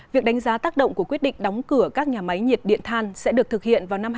việc đánh giá tác động của quyết định đóng cửa các nhà máy nhiệt điện than sẽ được thực hiện vào năm hai nghìn hai mươi